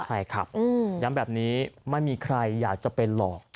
ใช่ครับย้ำแบบนี้ไม่มีใครอยากจะเป็นหรอก